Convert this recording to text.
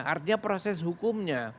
artinya proses hukumnya